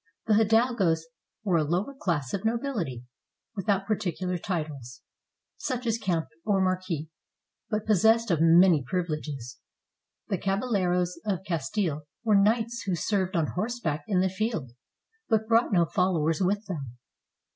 The Hidalgos were a lower class of nobility, without 523 SPAIN particular titles — such as count or marquis — but pos sessed of many privileges. The Caballeros of Castile were knights who served on horseback in the field, but brought no followers with them.